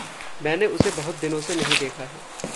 मैंने उसे बहुत दिनों से नहीं देखा है।